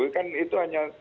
kan itu hanya